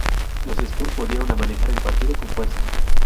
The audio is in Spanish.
Los Spurs volvieron a manejar el partido con fuerza.